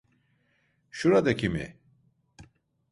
Şuradaki mi?